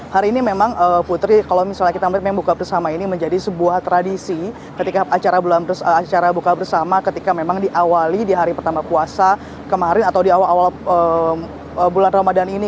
hari ini memang putri kalau misalnya kita memang buka bersama ini menjadi sebuah tradisi ketika acara buka bersama ketika memang diawali di hari pertama puasa kemarin atau di awal awal bulan ramadan ini